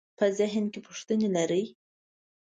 په ذهن کې پوښتنې لرئ؟